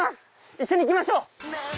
一緒に行きましょう！